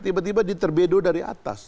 tiba tiba diterbedo dari atas